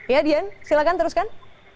ya dian silakan teruskan